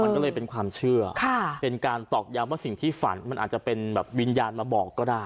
มันก็เลยเป็นความเชื่อเป็นการตอกย้ำว่าสิ่งที่ฝันมันอาจจะเป็นแบบวิญญาณมาบอกก็ได้